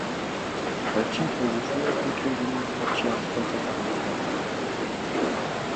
Վերջին թեզիսները հիմք են դնում խաչի աստվածաբանությանը։